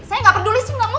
saya gak peduli sih kamu